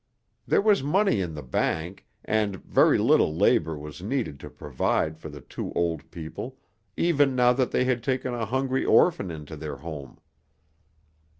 There was money in the bank and very little labor was needed to provide for the two old people even now that they had taken a hungry orphan into their home.